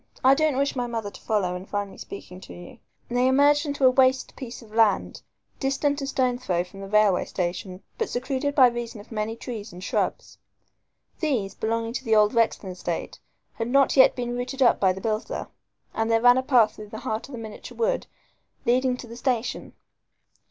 I don't wish my mother to follow and find me speaking to you." They emerged into a waste piece of land, distant a stone throw from the railway station, but secluded by reason of many trees and shrubs. These, belonging to the old Rexton estate, had not yet been rooted up by the builder, and there ran a path through the heart of the miniature wood leading to the station.